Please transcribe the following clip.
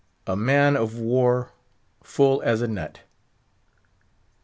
A MAN OF WAR FULL AS A NUT.